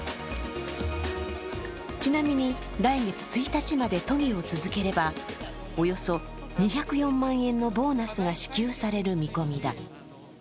ちなみに、来月１日まで都議を続ければおよそ２０４万円のボーナスが支給される見込みだ。